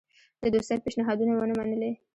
د دوستی پېشنهادونه ونه منلې.